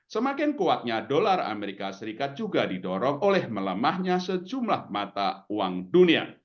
semakin kuatnya dolar amerika serikat juga didorong oleh melemahnya sejumlah mata uang dunia